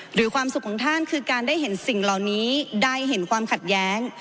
หรือความสุขของท่านคือการได้เห็นสิ่งเหล่านี้ได้เห็นความขัดแย้ง